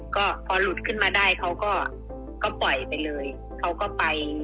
ก็พอหลุดขึ้นมาได้เขาก็ปล่อยไปเลยเขาก็ไป